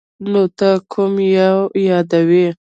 نو ته کوم یو یادوې ؟